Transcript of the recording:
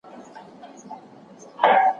ولي مدام هڅاند د وړ کس په پرتله هدف ترلاسه کوي؟